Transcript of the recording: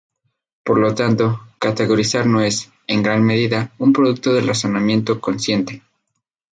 Por lo tanto, categorizar no es, en gran medida, un producto del razonamiento consciente.